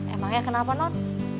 emang ya kenapa non